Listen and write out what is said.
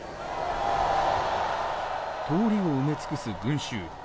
通りを埋め尽くす群衆。